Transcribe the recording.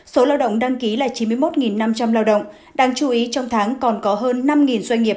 số lao động đăng ký là chín mươi một năm trăm linh lao động đáng chú ý trong tháng còn có hơn năm doanh nghiệp